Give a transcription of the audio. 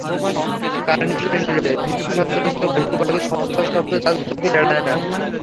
কর্নিশের নীড়ে ভীতসন্ত্রস্ত ঘুঘু পাখির খচখচ শব্দ তাদের চোখ এড়ায় না।